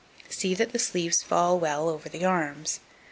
See that the sleeves fall well over the arms.